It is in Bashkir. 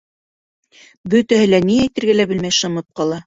Бөтәһе лә ни әйтергә лә белмәй шымып ҡала.